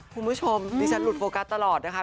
คุณผู้ชมดิฉันหลุดโฟกัสตลอดนะคะ